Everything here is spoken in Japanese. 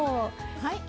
はい。